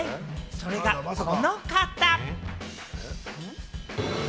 それがこの方！